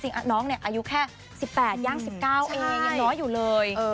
จริงน้องเนี่ยอายุแค่๑๘ยัง๑๙เองยังน้อยอยู่เลย